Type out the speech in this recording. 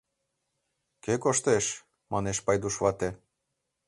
Кӧ коштеш? — манеш Пайдуш вате.